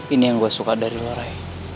ini yang gue suka dari lo ray